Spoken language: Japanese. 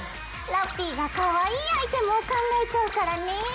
ラッピィがかわいいアイテムを考えちゃうからね。